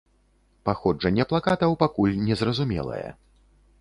Паходжанне плакатаў пакуль незразумелае.